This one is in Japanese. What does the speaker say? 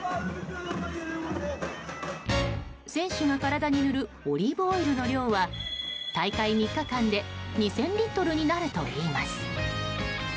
選手が体に塗るオリーブオイルの量は大会３日間で２０００リットルになるといいます。